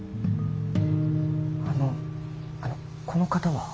あのあのこの方は？